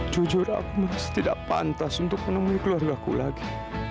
jujur aku masih tidak pantas untuk menemui keluarga aku lagi